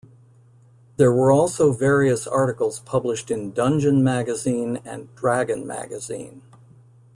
There were also various articles published in "Dungeon" magazine and "Dragon" magazine.